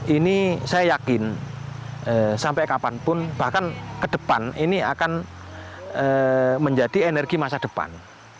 ini saya yakin sampai kapanpun bahkan ke depan ini akan menjadi energi masa depan